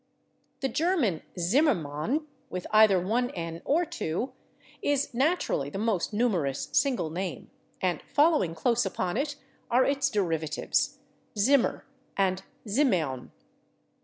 The German /Zimmermann/, with either one /n/ or two, is naturally the most numerous single name, and following close upon it are its derivatives, /Zimmer/ and /Zimmern